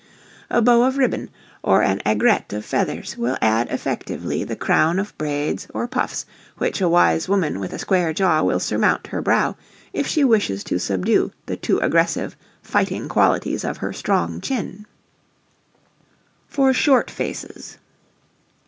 A bow of ribbon, or an aigrette of feathers, will add effectively the crown of braids or puffs which a wise woman with a square jaw will surmount her brow if she wishes to subdue the too aggressive, fighting qualities of her strong chin. [Illustration: NO. 6] For Short Faces.